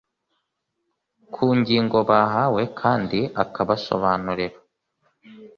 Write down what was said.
ku ngingo bahawe kandi akabasobanurira